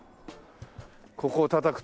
ここをたたくと。